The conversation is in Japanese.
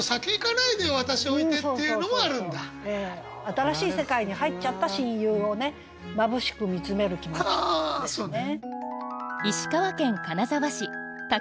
新しい世界に入っちゃった親友をまぶしく見つめる気持ちですね。